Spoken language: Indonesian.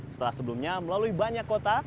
setelah sebelumnya melalui banyak kota